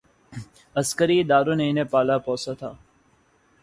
عسکری اداروں نے انہیں پالا پوسا تھا۔